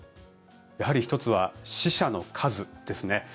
やはり１つは死者の数ですね。